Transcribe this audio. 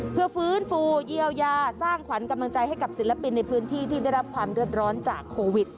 เพื่อฟื้นฟูเยียวยาสร้างขวัญกำลังใจให้กับศิลปินในพื้นที่ที่ได้รับความเดือดร้อนจากโควิด